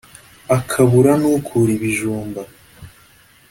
akabura n’ukura ibijumba